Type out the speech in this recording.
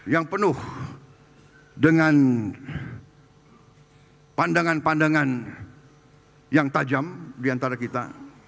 yang penuh dengan pandangan pandangan yang tajam di antara kita